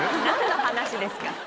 何の話ですか。